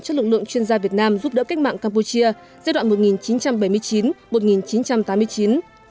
cho lực lượng chuyên gia việt nam giúp đỡ cách mạng campuchia giai đoạn một nghìn chín trăm bảy mươi chín một nghìn chín trăm tám mươi chín